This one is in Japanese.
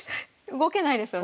動けないですよね。